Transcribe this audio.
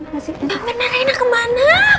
mbak mirna rena kemana